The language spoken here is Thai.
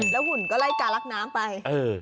แล้วหุ่นก็ไร้กาลักน้ำไป